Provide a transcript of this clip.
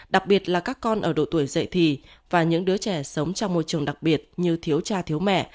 đặc biệt là các con ở độ tuổi dậy thì và những đứa trẻ sống trong môi trường đặc biệt như thiếu cha thiếu mẹ